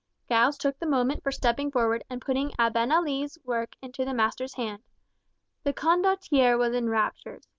Giles took the moment for stepping forward and putting Abenali's work into the master's hand. The Condottiere was in raptures.